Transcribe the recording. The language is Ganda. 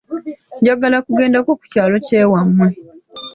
Njagala kugendako ku kyalo kyewammwe.